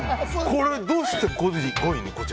これ、どうして５位？